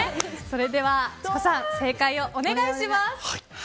それではｃｈｉｃｏさん正解をお願いします。